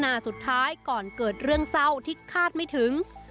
นาสุดท้ายก่อนเกิดเรื่องเศร้าที่คาดไม่ถึง